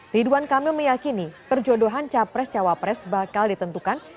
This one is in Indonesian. ridwan kamil meyakini perjodohan capres cawapres bakal ditentukan